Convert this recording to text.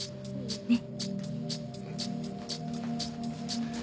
ねっ。